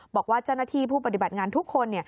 บอกว่าเจ้าหน้าที่ผู้ปฏิบัติงานทุกคน